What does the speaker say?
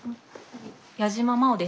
矢島真央です。